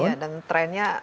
iya dan trennya